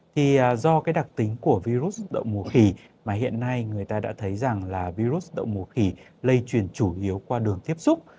thì do cái đặc tính của virus động mùa khỉ mà hiện nay người ta đã thấy rằng là virus động mùa khỉ lây truyền chủ yếu qua đường tiếp xúc